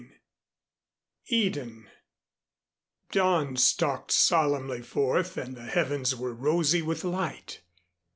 IV EDEN Dawn stalked solemnly forth and the heavens were rosy with light.